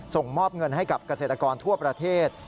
ส่งมอบเงินให้กับเกษตรกรทั่วประเทศ